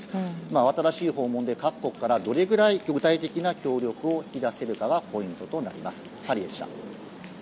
新しい訪問で各国からどれぐらい具体的な方針を引き出せるかがポイントとなります。